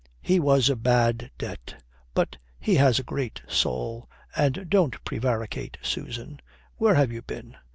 "He was a bad debt. But he has a great soul. And don't prevaricate, Susan. Where have you been?"